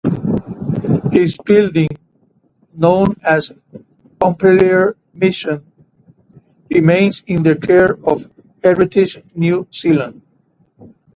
His building, known as Pompallier Mission, remains in the care of Heritage New Zealand.